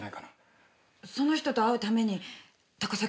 その人と会うために高崎を降りたの？